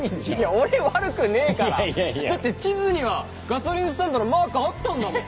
俺悪くねえからだって地図にはガソリンスタンドのマークあったんだもん。